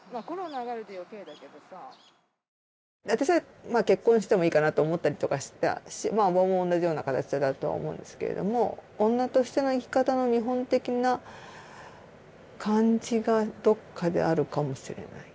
私は結婚してもいいかなと思ったりとかしたし伯母も同じような形だとは思うんですけれども女としての生き方の見本的な感じがどこかであるかもしれない。